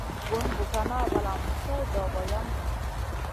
Bun Busana valam su dogo yam vahl.